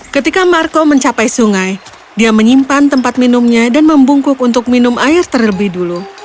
ketika marco mencapai sungai dia menyimpan tempat minumnya dan membungkuk untuk minum air terlebih dulu